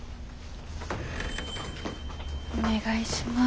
お願いします。